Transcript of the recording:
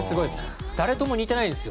誰とも似てないんですよ